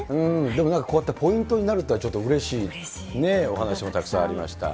でもなんかこうやってポイントになるっていうにはちょっとうれしいお話もたくさんありました。